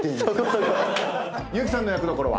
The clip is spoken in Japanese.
結木さんの役どころは？